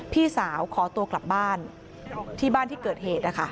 พี่สาวขอตัวกลับบ้านที่บ้านที่เกิดเหตุนะคะ